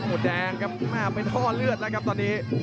โอ้ยแดงครับไม่ทอเลือดแล้วครับตอนนี้